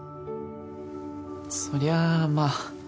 そりゃまあ。